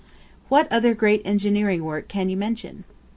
What other great engineering work can you mention?